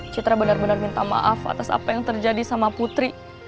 citra benar benar minta maaf atas apa yang terjadi sama putri